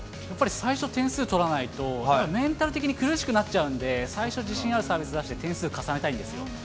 やっぱり、最初点数取らないと、メンタル的に苦しくなっちゃうんで、最初自身があるサービス出して点数を重ねたいんですよ。